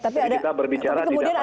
tapi kita berbicara di dalam pertarungan